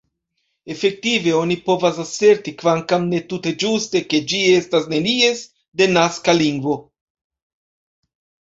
Efektive, oni povas aserti, kvankam ne tute ĝuste, ke ĝi estas nenies denaska lingvo.